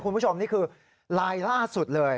คุณผู้ชมนี่คือลายล่าสุดเลย